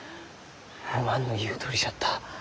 おまんの言うとおりじゃった。